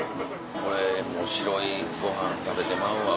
これ白いご飯食べてまうわ